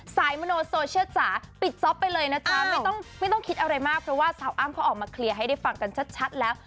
มโนโซเชียลจ๋าปิดจ๊อปไปเลยนะจ๊ะไม่ต้องไม่ต้องคิดอะไรมากเพราะว่าสาวอ้ำเขาออกมาเคลียร์ให้ได้ฟังกันชัดแล้ว